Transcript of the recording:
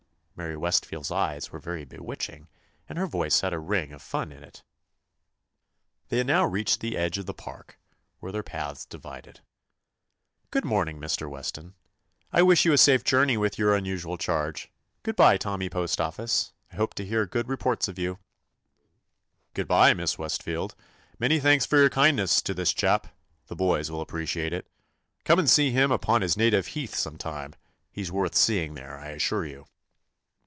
Mary Westfield's eyes were very bewitching, and her voice had a ring of fun in it. They had now reached the edge of the park, where their paths divided. "Good morning, Mr. Weston. I 90 TOMMY POSTOFFICE wish you a safe journey with your unusual charge. Good bye, Tommy Postoffice. I hope to hear good re ports of you." "Good bye, Miss Westfield. Many thanks for your kindness to this chap. The boys will appreciate it. Come and see him upon his native heath some time. He 's worth seeing there, I assure you."